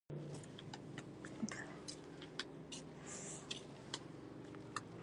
له لارې څخه مې لېرې شه!